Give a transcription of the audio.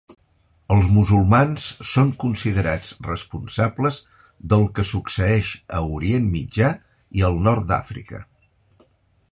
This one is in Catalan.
Els musulmans són considerats responsables del que succeeix a Orient Mitjà i el Nord d'Àfrica.